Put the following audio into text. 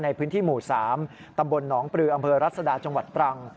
ในพื้นที่หมู่๓ตำบลหนองปลืออำเภอรัศดาจังหวัดตรัง